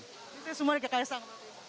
ini semua dari kaisang